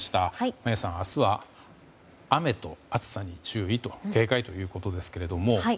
眞家さん、明日は雨と暑さに注意と警戒ということですけれども。